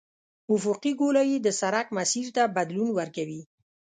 افقي ګولایي د سرک مسیر ته بدلون ورکوي